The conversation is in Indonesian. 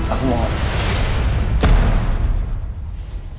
aku mau ngapain